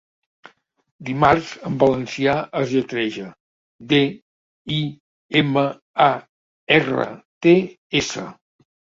'Dimarts' en valencià es lletreja: de, i, eme, a, erre, te, esse.